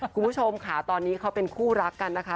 คุณผู้ชมค่ะตอนนี้เขาเป็นคู่รักกันนะคะ